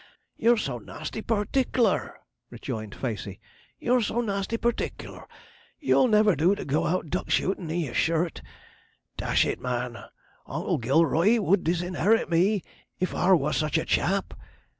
you're so nasty partickler,' rejoined Facey; 'you're so nasty partickler. You'll never do to go out duck shootin' i' your shirt. Dash it, man! Oncle Gilroy would disinherit me if ar was such a chap.